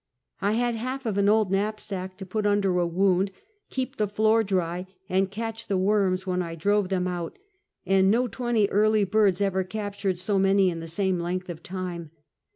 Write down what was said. I had half of an old knapsack to put under a wound, keep the floor dry and catch the worms when I drove them out — and no twenty early birds ever captured so many in the same leno th of time.